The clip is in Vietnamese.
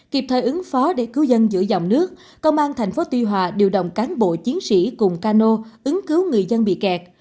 kịp thời ứng phó để cứu dân giữ dòng nước công an tp tuy hòa điều động cán bộ chiến sĩ cùng cano ứng cứu người dân bị kẹt